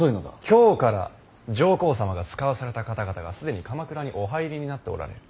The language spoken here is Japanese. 京から上皇様が遣わされた方々が既に鎌倉にお入りになっておられる。